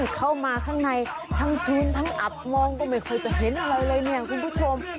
เข้ามาข้างในทั้งชื้นทั้งอับมองก็ไม่ค่อยจะเห็นอะไรเลยเนี่ยคุณผู้ชม